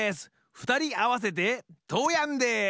ふたりあわせてトーヤンです！